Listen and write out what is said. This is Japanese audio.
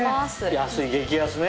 安い激安ね。